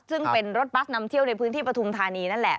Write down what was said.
ซึ่งเป็นรถบัสนำเที่ยวในพื้นที่ปฐุมธานีนั่นแหละ